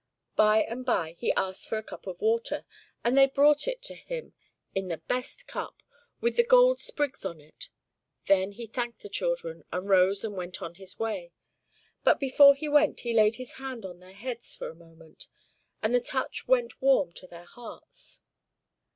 By and by he asked for a cup of water, and they brought it to him in the best cup, with the gold sprigs on it: then he thanked the children, and rose and went on his way; but before he went he laid his hand on their heads for a moment, and the touch went warm to their hearts.